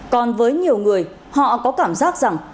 còn với nhiều người họ có cảm giác rằng